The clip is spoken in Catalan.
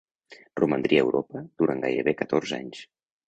Romandria a Europa durant gairebé catorze anys.